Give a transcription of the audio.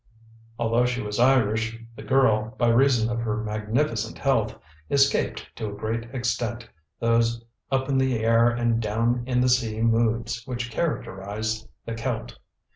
Although she was Irish, the girl, by reason of her magnificent health, escaped, to a great extent, those up in the air and down in the sea moods which characterize the Celt.